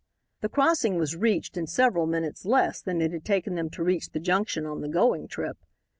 The crossing was reached in several minutes less than it had taken them to reach the junction on the going trip.